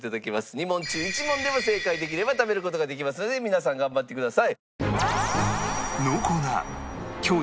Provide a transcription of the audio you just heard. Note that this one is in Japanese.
２問中１問でも正解できれば食べる事ができますので皆さん頑張ってください。